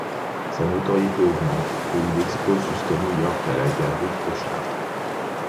Sa notoriété augmente et il expose jusqu'à New York à la galerie Kraushaar.